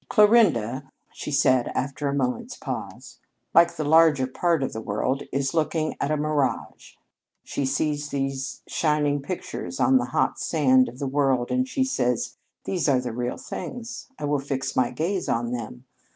"Clarinda," she said, after a moment's pause, "like the larger part of the world, is looking at a mirage. She sees these shining pictures on the hot sand of the world and she says: 'These are the real things. I will fix my gaze on them.